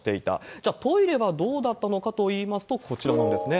じゃあトイレはどうだったのかといいますと、こちらなんですね。